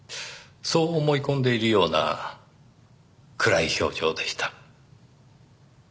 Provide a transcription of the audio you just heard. そう思い込んでいるような暗い表情でした。